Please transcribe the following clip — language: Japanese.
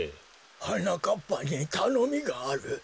はなかっぱにたのみがある。